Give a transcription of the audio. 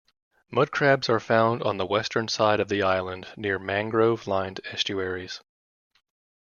Mud crabs are found on the western side of the island near mangrove-lined estuaries.